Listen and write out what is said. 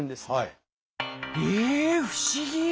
ええ不思議！